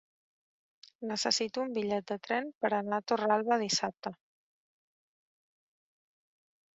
Necessito un bitllet de tren per anar a Torralba dissabte.